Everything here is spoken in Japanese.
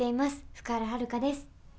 福原遥です。